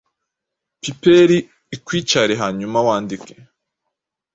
Piperi ikwicare hanyuma wandike